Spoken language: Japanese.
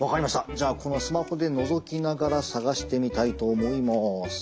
じゃあこのスマホでのぞきながら探してみたいと思います。